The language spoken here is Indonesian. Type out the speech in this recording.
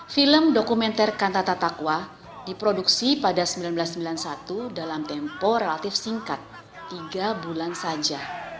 film dokumenter kantata takwa diproduksi pada seribu sembilan ratus sembilan puluh satu dalam tempo relatif singkat tiga bulan saja